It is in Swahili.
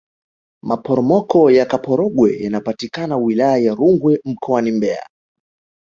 maporomoko ya kaporogwe yanapatikana wilaya ya rungwe mkoani mbeya